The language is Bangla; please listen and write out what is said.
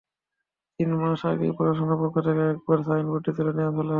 তিন মাস আগে প্রশাসনের পক্ষ থেকে একবার সাইনবোর্ডটি তুলেও ফেলা হয়।